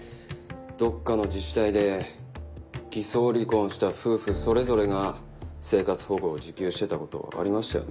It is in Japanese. どっかの自治体で偽装離婚した夫婦それぞれが生活保護を受給してたことありましたよね。